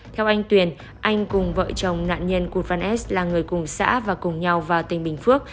theo anh tuyền anh cùng vợ chồng nạn nhân cụt văn s là người cùng xã và cùng nhau vào tỉnh bình phước